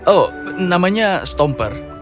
oh namanya stomper